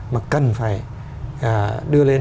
mà cần phải đưa lên